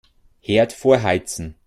Herd vorheizen.